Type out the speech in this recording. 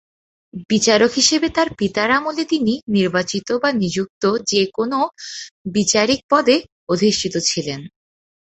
বিচারক হিসাবে তাঁর পিতার আমলে তিনি নির্বাচিত বা নিযুক্ত যে কোনও বিচারিক পদে অধিষ্ঠিত ছিলেন।